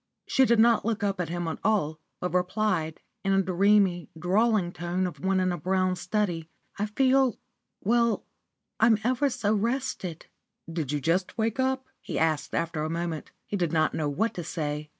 She did not look up at him at all, but replied, in the dreamy, drawling tone of one in a brown study "I feel well. I'm ever so rested." "Did you just wake up?" he said, after a moment. He did not know what to say.